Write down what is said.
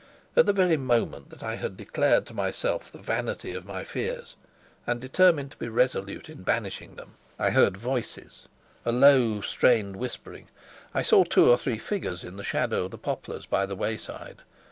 At the very moment that I had declared to myself the vanity of my fears and determined to be resolute in banishing them, I heard voices a low, strained whispering; I saw two or three figures in the shadow of the poplars by the wayside.